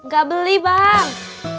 gak beli bang